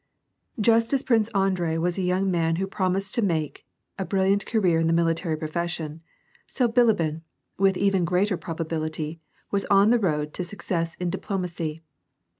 Just as Prince Andrei was a young man who promised to make a brilliant career in the military profession, so Bilibin, with even greater probability, was on the road to success in diplo macy.